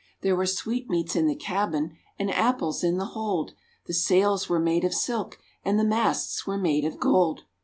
There were sweetmeats in the cabin, And apples in the hold; The sails were made of silk, And the masts were made of gold.